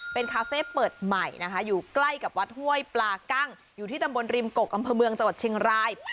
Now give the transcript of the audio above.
เป็นคาเฟ่เปิดใหม่นะคะอยู่ใกล้กับวัดห้วยปลากั้งอยู่ที่ตำบลริมกกอำเภอเมืองจังหวัดเชียงราย